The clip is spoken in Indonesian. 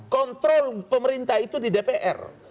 kontrol pemerintah itu di dpr